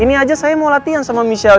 ini aja saya mau latihan sama michelle